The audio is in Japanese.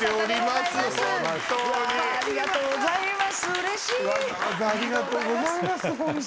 ありがとうございます。